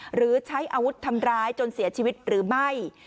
หรือใช้อาวุธทำร้ายจนเสียชีวิตหรือไม่